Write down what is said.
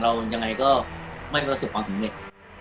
เรายังไงก็ไม่รู้รู้สึกความสงสัย